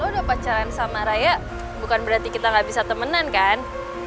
oh udah pacaran sama raya bukan berarti kita gak bisa temenan kan